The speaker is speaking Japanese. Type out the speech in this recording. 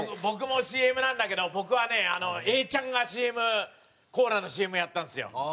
僕もＣＭなんだけど僕はね永ちゃんがＣＭコーラのＣＭをやったんですよ。